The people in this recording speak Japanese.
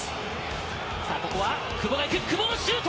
ここは久保がいく、久保がシュート。